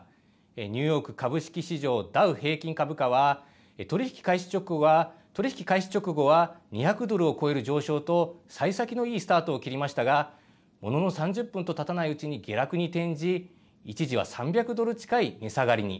ニューヨーク株式市場、ダウ平均株価は、取り引き開始直後は２００ドルを超える上昇とさい先のいいスタートを切りましたが、ものの３０分とたたないうちに下落に転じ、一時は３００ドル近い値下がりに。